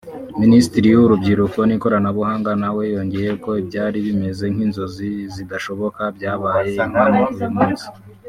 Minisitiri w’Urubyiruko n’Ikoranabuhanga na we yongeyeho ko ibyari bimeze nk’inzozi zidashoboka byabaye impamo uyu munsi